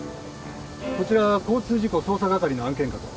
こちらは交通事故捜査係の案件かと。